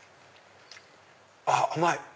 あっ甘い！